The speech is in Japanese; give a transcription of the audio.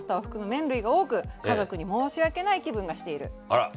あら。